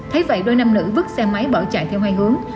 thấy vậy đôi nam nữ xe máy bỏ chạy theo hai hướng